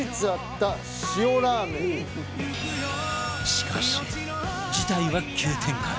しかし事態は急展開！